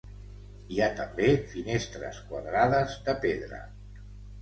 Hi ha també finestres quadrades de pedra.